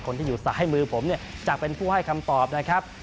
คนที่อยู่ซ้ายมือผมเนี่ยจะเป็นผู้ให้คำตอบนะครับ